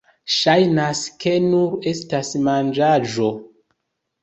Ŝajnas, ke nur estas manĝaĵo